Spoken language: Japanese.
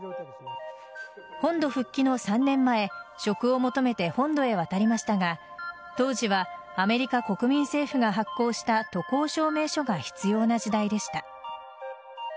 本土復帰の３年前職を求めて本土へ渡りましたが当時はアメリカ国民政府が発行した渡航証明書が必要な時代でした。